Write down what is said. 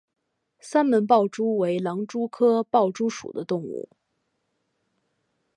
三门豹蛛为狼蛛科豹蛛属的动物。